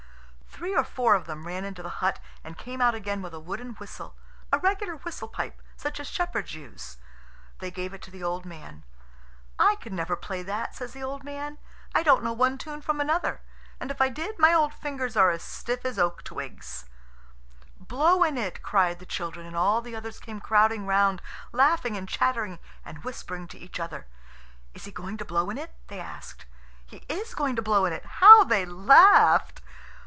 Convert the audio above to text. Three or four of them ran into the hut and came out again with a wooden whistle, a regular whistle pipe, such as shepherds use. They gave it to the old man. "I can never play that," says the old man. "I don't know one tune from another; and if I did, my old fingers are as stiff as oak twigs." "Blow in it," cried the children; and all the others came crowding round, laughing and chattering and whispering to each other. "Is he going to blow in it?" they asked. "He is going to blow in it." How they laughed!